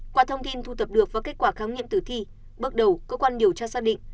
qua thông tin thu thập được và kết quả khám nghiệm tử thi bước đầu cơ quan điều tra xác định